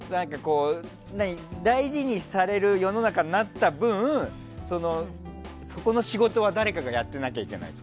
大事にされる世の中になった分そこの仕事は誰かがやってなきゃいけない。